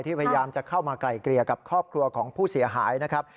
พยายามจะเข้ามาไกลเกลี่ยกับครอบครัวของผู้เสียหายนะครับ